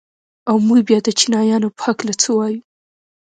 او موږ بيا د چينايانو په هکله څه وايو؟